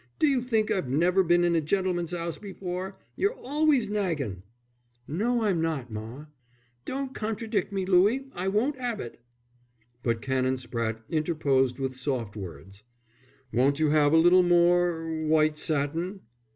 "Do you think I've never been in a gentleman's house before? You're always naggin'." "No, I'm not, ma." "Don't contradict, Louie. I won't 'ave it." But Canon Spratte interposed with soft words. "Won't you have a little more white satin?"